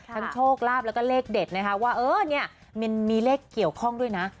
โชคลาภแล้วก็เลขเด็ดนะคะว่าเออเนี่ยมันมีเลขเกี่ยวข้องด้วยนะ